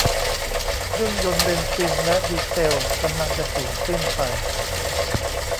เครื่องยนต์เบนซินและดีเซลกำลังจะสูญสิ้นไป